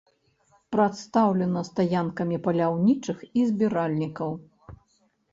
Прадстаўлена стаянкамі паляўнічых і збіральнікаў.